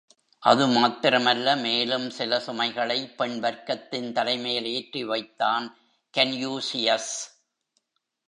அது மாத்திரமல்ல, மேலும் சில சுமைகளை பெண் வர்க்கத்தின் தலைமேல் ஏற்றி வைத்தான் கன்யூஷியஸ்.